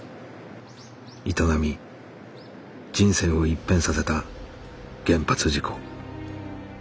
営み人生を一変させた原発事故。